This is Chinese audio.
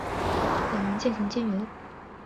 两人渐行渐远